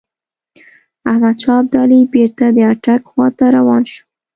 احمدشاه ابدالي بیرته د اټک خواته روان شوی.